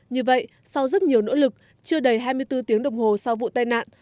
như vậy sau rất nhiều nỗ lực chưa đầy hai mươi bốn tiếng đồng hồ sau vụ tai nạn